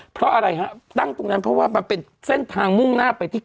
เพราะอะไรฮะตั้งตรงนั้นเพราะว่ามันเป็นเส้นทางมุ่งหน้าไปที่